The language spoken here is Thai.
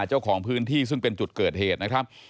เจ้าของพื้นที่ซึ่งเป็นจุดเกิดเหตุนะครับ